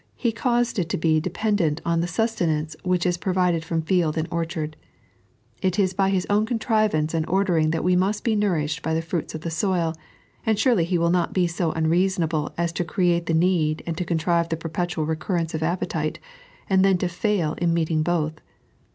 He caused it to be de pendent on the sustenance which is provided from field and orchard. It is by TfU own contrivance and ordering that we must be nourished by the fruits of the soil ; and surely He will not be so unreasonable aa to create the need and to contrive the perpetual recurrence of appetite, and then to fail in meeting both.